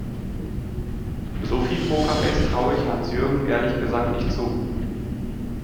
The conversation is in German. So viel Pokerface traue ich Hans-Jürgen ehrlich gesagt nicht zu.